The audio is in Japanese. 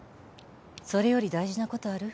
それより大事なことある？